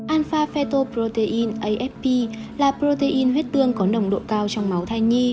alpha fetoprotein afp là protein huyết tương có nồng độ cao trong máu thai nhi